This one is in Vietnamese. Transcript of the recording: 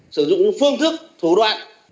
sử dụng phương thức thủ đoạn